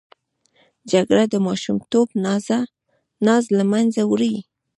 جګړه د ماشومتوب ناز له منځه وړي